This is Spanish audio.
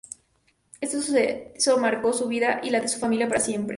Este suceso marcará su vida y la de su familia para siempre.